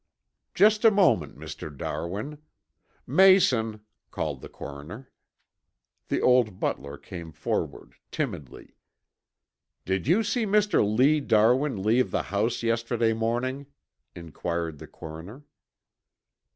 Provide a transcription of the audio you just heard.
"Just a moment, Mr. Darwin. Mason," called the coroner. The old butler came forward timidly. "Did you see Mr. Lee Darwin leave the house yesterday morning?" inquired the coroner.